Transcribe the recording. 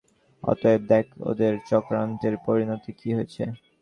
অতএব দেখ, ওদের চক্রান্তের পরিণতি কি হয়েছে!